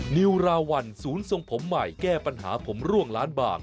นิวราวัลศูนย์ทรงผมใหม่แก้ปัญหาผมร่วงล้านบาง